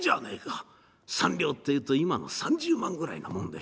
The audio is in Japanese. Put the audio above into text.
三両っていうと今の３０万ぐらいなもんでしょう。